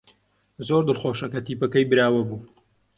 زۆر دڵخۆشە کە تیپەکەی براوە بوو.